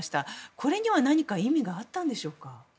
これには何か意味があったんでしょうか。